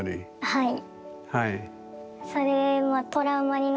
はい。